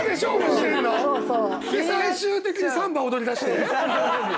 最終的にサンバ踊りだして！？